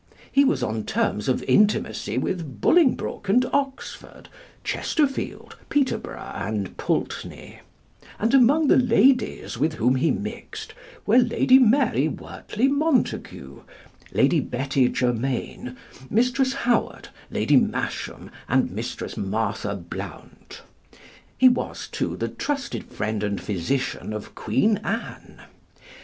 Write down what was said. He was on terms of intimacy with Bolingbroke and Oxford, Chesterfield, Peterborough, and Pulteney; and among the ladies with whom he mixed were Lady Mary Wortley Montagu, Lady Betty Germain, Mrs. Howard, Lady Masham, and Mrs. Martha Blount. He was, too, the trusted friend and physician of Queen Anne.